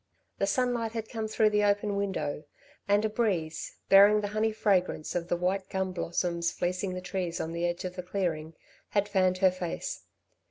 The sunlight had come through the open window; and a breeze, bearing the honey fragrance of the white gum blossoms fleecing the trees on the edge of the clearing, had fanned her face.